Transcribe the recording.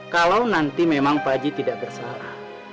kalau nanti memang pak haji tidak bersalah